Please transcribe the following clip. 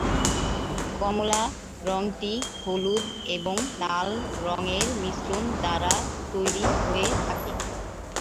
কমলা রঙটি হলুদ এবং লাল রঙের মিশ্রণ দ্বারা তৈরি হয়ে থাকে।